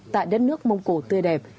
tại đất nước mông cổ tươi đẹp